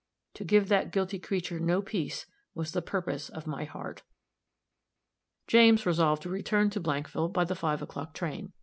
To give that guilty creature no peace was the purpose of my heart. James resolved to return to Blankville by the five o'clock train.